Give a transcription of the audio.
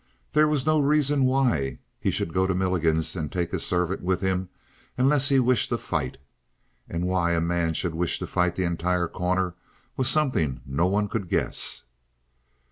There was no reason why he should go to Milligan's and take his servant with him unless he wished a fight. And why a man should wish to fight the entire Corner was something no one could guess.